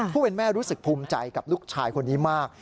ผู้เป็นแม่รู้สึกภูมิใจกับลูกชายคนนี้มาก